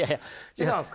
違うんですか？